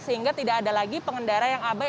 sehingga tidak ada lagi pengendara yang abai